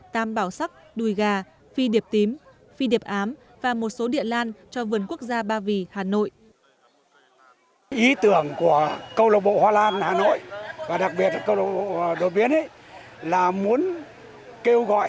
tam bảo sắc đùi gà phi điệp tím phi điệp ám và một số địa lan cho vườn quốc gia ba vì hà nội